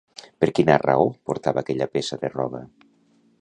Per quina raó portava aquella peça de roba?